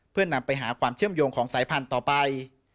เพื่อนำไปหาความเชื่อมโยงของสายพันธุ์ต่อไป